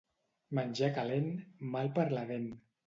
Menjar calent, mal per la dent.